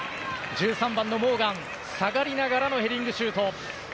１３番のモーガン下がりながらのヘディングシュート。